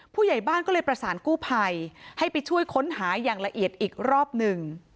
ผู้ใหญ่บ้านก็เลยประสานกู้ภัยให้ไปช่วยค้นหาอย่างละเอียดอีกรอบหนึ่ง